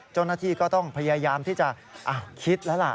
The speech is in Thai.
เจ้าหน้าที่ก็ต้องพยายามที่จะคิดแล้วล่ะ